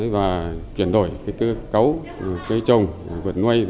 và chuyển đổi cơ cấu cây trồng vật nuôi